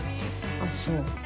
あっそう。